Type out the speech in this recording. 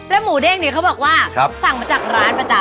หมูเด้งเนี่ยเขาบอกว่าสั่งมาจากร้านประจำ